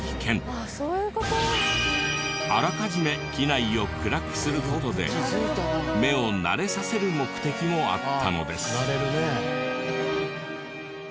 あらかじめ機内を暗くする事で目を慣れさせる目的もあったのです。